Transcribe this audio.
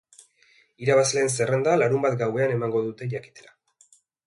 Irabazleen zerrenda larunbat gauean emango dute jakitera.